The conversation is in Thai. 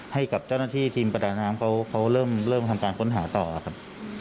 ให้กับเจ้าหน้าที่ทีมประดาน้ำเขาเริ่มทำการค้นหาต่อครับ